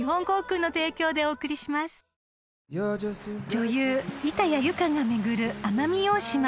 ［女優板谷由夏が巡る奄美大島］